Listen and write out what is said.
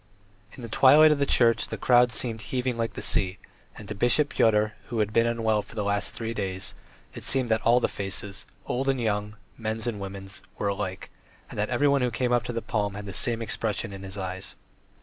In the twilight of the church the crowd seemed heaving like the sea, and to Bishop Pyotr, who had been unwell for the last three days, it seemed that all the faces old and young, men's and women's were alike, that everyone who came up for the palm had the same expression in his eyes.